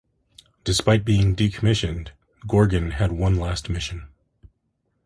Despite being decommissioned, "Gorgon" had one last mission.